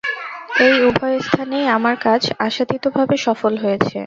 এই উভয় স্থানেই আমার কাজ আশাতীতভাবে সফল হয়েছে।